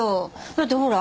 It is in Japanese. だってほら。